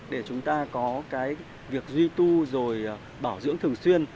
để chúng ta có cái việc duy tu rồi bảo dưỡng thường xuyên